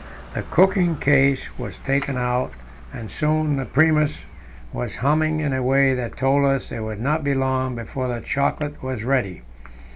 The cooking case was taken out, and soon the Primus was humming in a way that told us it would not be long before the chocolate was ready.